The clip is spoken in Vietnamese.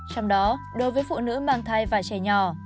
trong đó đối với phụ nữ mang thai và trẻ nhỏ